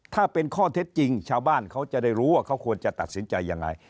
ถ้าเป็นข้อเท็จจริงชาวบ้านเขาจะได้รู้ว่าเขาควรจะตัดสินใจยังไง